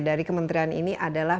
dari kementerian ini adalah